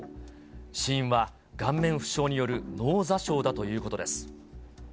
死因は顔面負傷による脳挫傷だということです。